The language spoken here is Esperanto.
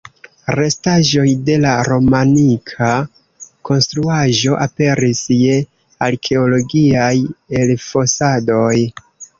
Restaĵoj de la romanika konstruaĵo aperis je arkeologiaj elfosadoj.